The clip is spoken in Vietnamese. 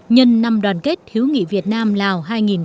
nhân năm đoàn kết hiếu nghị việt nam lào hai nghìn một mươi chín